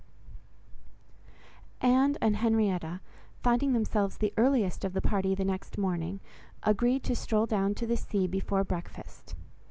Anne and Henrietta, finding themselves the earliest of the party the next morning, agreed to stroll down to the sea before breakfast.